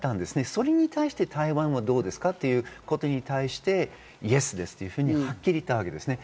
それに対して台湾はどうですか？ということに対して、イエスですというふうにはっきり言ったわけです。